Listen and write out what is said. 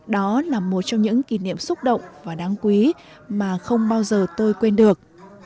đó là một trong những kỷ niệm xúc động và đáng quý mà không bao giờ tôi quên được